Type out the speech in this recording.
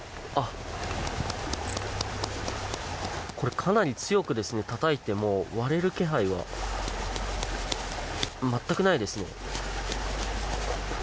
かなり強くたたいても割れる気配は全くないですね。